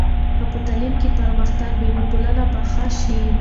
که په تعلیم کې پرمختګ وي، نو ټولنه به ښه شي.